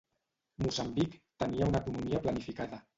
Moçambic tenia una economia planificada.